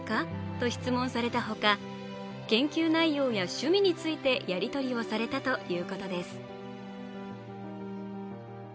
と質問されたほか、研究内容や趣味についてやり取りをされたということです。